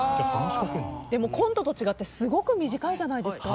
でもコントと違ってすごく短いじゃないですか。